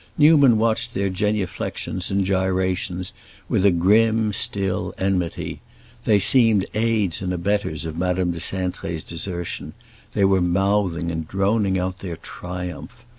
Newman watched their genuflections and gyrations with a grim, still enmity; they seemed aids and abettors of Madame de Cintré's desertion; they were mouthing and droning out their triumph.